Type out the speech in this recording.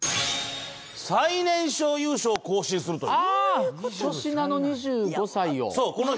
最年少優勝を更新するという。